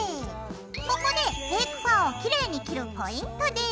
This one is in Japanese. ここでフェイクファーをきれいに切るポイントです！